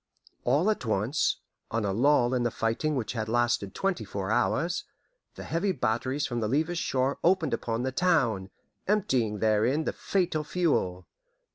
All at once, on a lull in the fighting which had lasted twenty four hours, the heavy batteries from the Levis shore opened upon the town, emptying therein the fatal fuel.